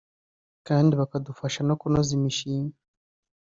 kandi bakadufasha no kunoza imishinga